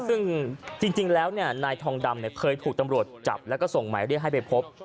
ซึ่งจริงแล้วนายทองดำเคยถูกตำรวจจับแล้วก็ส่งหมายเรียกให้ไปพบ